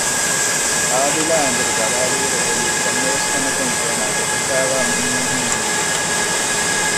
އާދިލާ އެނބުރި ބަލާލިއިރު އެއީ ކޮންމެވެސް ތަނަކުން އޭނާ ދެކެފައިވާ މީހެއްހެން ހީވި